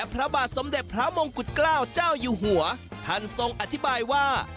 พระบาทสมเด็จพระมงกุฎเกล้าเจ้าอยู่หัวท่านทรงอธิบายว่า